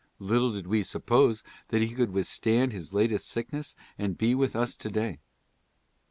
Little did we suppose that he could withstand his latest sickness and be with us to day.